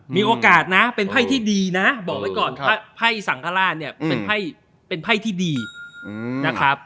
มีโอกาสนะเป็นไพ่ที่ดีนะบอกไว้ก่อนไพ่สังฆราชเนี่ยเป็นไพ่ที่ดีนะครับ